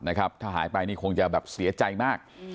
ถ้าหายไปนี่คงจะแบบเสียใจมาก